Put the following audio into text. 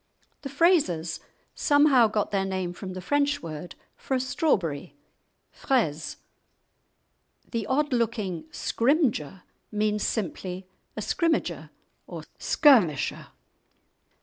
The Frazers somehow got their name from the French word for a strawberry, fraise. The odd looking "Scrymgeour" means simply a scrimmager or skirmisher.